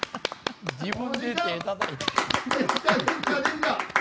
自分で手たたいて。